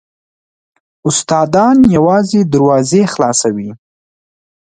استادان یوازې دروازې خلاصوي .